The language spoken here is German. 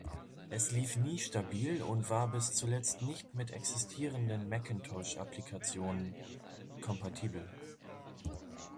Es lief nie stabil und war bis zuletzt nicht mit existierenden Macintosh-Applikationen kompatibel.